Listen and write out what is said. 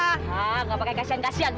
hah gak pakai kasian kasian